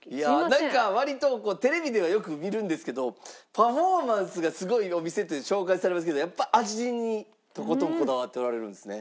なんか割とテレビではよく見るんですけどパフォーマンスがすごいお店って紹介されますけどやっぱ味にとことんこだわっておられるんですね。